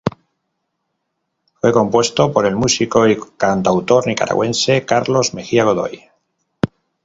Fue compuesto por el músico y cantautor nicaragüense Carlos Mejía Godoy.